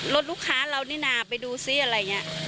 ลูกค้าเรานี่นะไปดูซิอะไรอย่างนี้